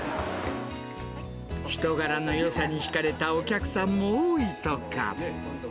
人柄のよさに引かれたお客さんも多いとか。